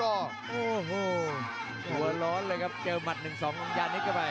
โอ้โหหัวร้อนเลยครับเจอหมัด๑๒ของยานิดเข้าไป